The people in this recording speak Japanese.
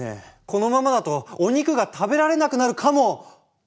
このままだとお肉が食べられなくなるかも！